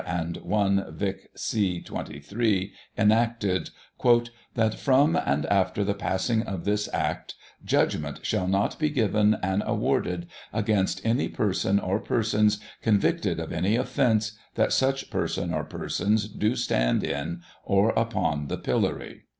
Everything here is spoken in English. and L Vic, c. 23, enacted ;" That from and after the passing of this Act, Judg ment shall not be given and awarded against any Person or Persons convicted of any Offence that such Person or Persons do stand in, or upon the Pillory."